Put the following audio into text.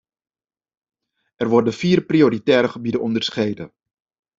Er worden vier prioritaire gebieden onderscheiden.